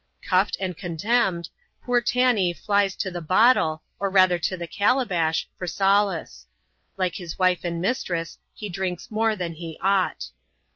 Cuffed and contemned, poor Tanee flies to the bottle, or rather to the calabash, for solace. Like his wife and mistres8» he drinks more than he ought.